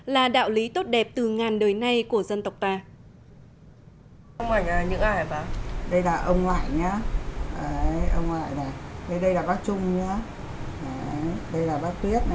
là đạo lý tốt đẹp từ ngàn đời nay của dân tộc ta